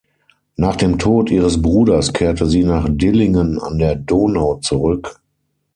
Nach dem Tod ihres Bruders kehrte sie nach Dillingen an der Donau zurück.